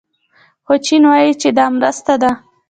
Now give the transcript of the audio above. خو چین وايي چې دا مرسته ده.